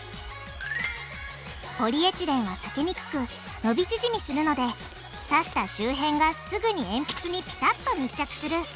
ポリエチレンは裂けにくく伸び縮みするので刺した周辺がすぐに鉛筆にピタッと密着する。